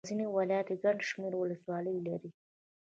غزني ولايت ګڼ شمېر ولسوالۍ لري.